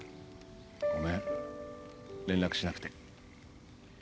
ごめん連絡しなくて。